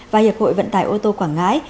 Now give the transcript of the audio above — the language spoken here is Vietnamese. và hiệp hội vận tải ô tô quảng ngãi